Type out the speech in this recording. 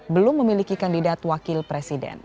belum memiliki kandidat wakil presiden